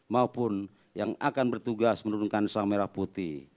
maupun yang akan bertugas menurunkan sang merah putih